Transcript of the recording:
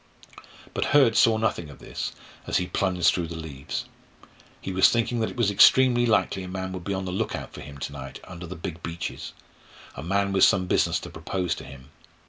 But Hurd saw nothing of this as he plunged through the leaves. He was thinking that it was extremely likely a man would be on the look out for him to night under the big beeches a man with some business to propose to him.